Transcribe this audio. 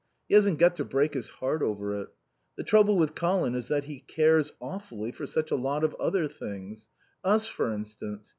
He hasn't got to break his heart over it.... The trouble with Colin is that he cares, awfully, for such a lot of other things. Us, for instance.